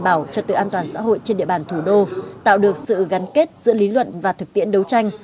bảo trật tự an toàn xã hội trên địa bàn thủ đô tạo được sự gắn kết giữa lý luận và thực tiễn đấu tranh